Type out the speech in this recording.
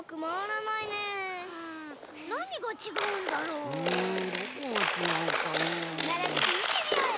ならべてみてみようよ！